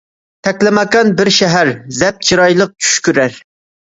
تەكلىماكان بىر شەھەر، زەپ چىرايلىق چۈش كۆرەر.